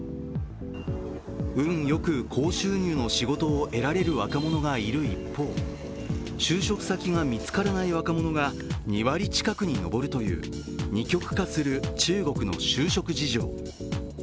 運良く高収入の仕事を得られる若者がいる一方、就職先が見つからない若者が２割近くに上るという二極化する中国の就職事情。